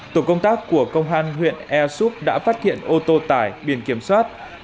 tổ công tác của công an huyện air soup đã phát hiện ô tô tải biển kiểm soát